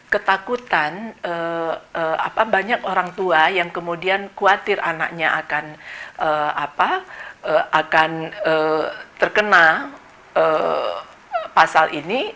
ketakutan banyak orang tua yang kemudian khawatir anaknya akan terkena pasal ini